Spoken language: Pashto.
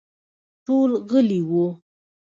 ټول غلي وو.